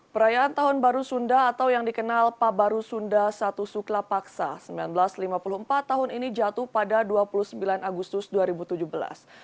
perayaan tahun baru sunda atau yang dikenal pabaru sunda satu suklapaksa seribu sembilan ratus lima puluh empat tahun ini jatuh pada dua puluh sembilan agustus dua ribu tujuh belas